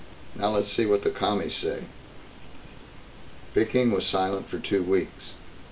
Now let's see what the Commies say." Peking was silent for two weeks.